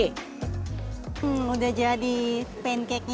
hmm udah jadi pancake nya